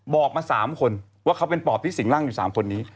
บอกมา๓คนว่าเขาเป็นปอบที่สิงร่างอยู่๓คนนี้